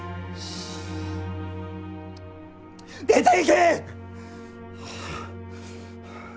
出ていけ！